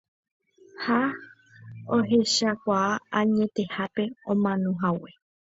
Ha ohechakuaa añetehápe omanohague.